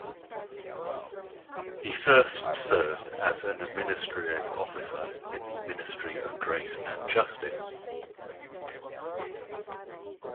He first served as an administrative officer in the Ministry of Grace and Justice.